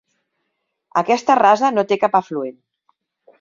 Aquesta rasa no té cap afluent.